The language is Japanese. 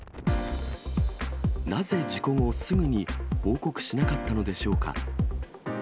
なぜ事故後、すぐに報告しなかったのでしょうか。